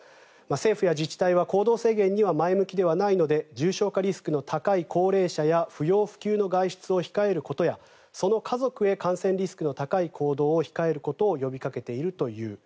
政府や自治体は行動制限には前向きではないので重症化リスクの高い高齢者へ不要不急の外出を控えることやその家族へ感染リスクの高い行動を控えることを呼びかけているという。